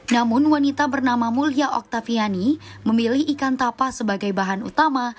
namun wanita bernama mulia oktaviani memilih ikan tapa sebagai bahan utama